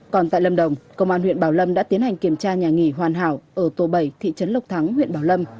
còn tại lâm đồng công an huyện bảo lâm đã tiến hành kiểm tra nhà nghỉ hoàn hảo ở tổ bảy thị trấn lộc thắng huyện bảo lâm